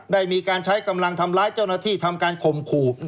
ได้มีการใช้กำลังทำร้ายเจ้าหน้าที่ทำการข่มขู่